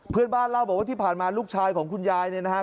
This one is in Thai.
เพื่อนบ้านเล่าบอกว่าที่ผ่านมาลูกชายของคุณยายเนี่ยนะฮะ